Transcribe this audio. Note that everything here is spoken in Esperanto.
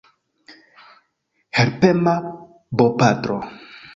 Helpema bopatro.